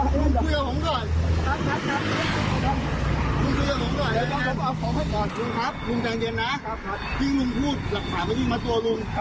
ต้องลุงสอดปิดเรื่องการเดินข้ามนาน